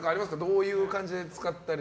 どういう感じで使ったり？